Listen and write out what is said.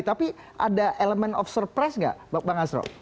tapi ada element of surprise nggak bang hasro